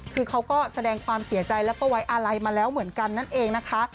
คือเขาก็แสดงความเสียใจแล้วก็ไว้อาลัยมาแล้วเหมือนกันนั่นเองนะคะ